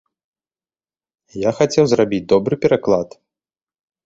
Я хацеў зрабіць добры пераклад.